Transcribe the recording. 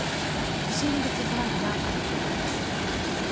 不審物騒ぎが相次いでいます。